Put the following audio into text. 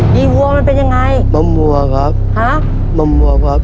ดีวัวมันเป็นยังไงนมวัวครับ